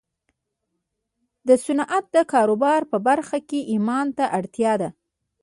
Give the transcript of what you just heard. د صنعت د کاروبار په برخه کې ايمان ته اړتيا ده.